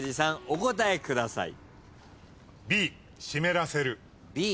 お答えください。